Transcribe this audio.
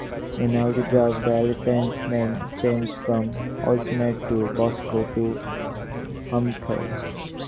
In early drafts, the elephant's name changed from Osmer to Bosco to Humphrey.